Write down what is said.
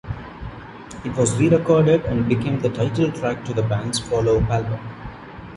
It was re-recorded and became the title track to the band's follow-up album.